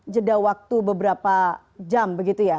jeda waktu beberapa jam begitu ya